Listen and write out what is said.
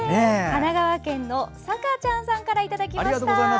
神奈川県のさかちやんさんからいただきました。